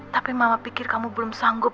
tapi mama pikir kamu belum sanggup